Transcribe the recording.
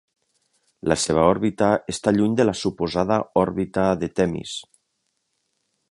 La seva òrbita està lluny de la suposada òrbita de Temis.